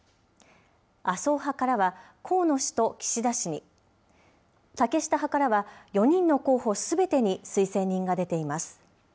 麻生派からは、河野氏と岸田氏に、竹下派からは４人の候補すべてに、推薦人が出ています。